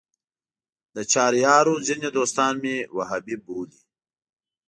د چهاریارو ځینې دوستان مې وهابي بولي.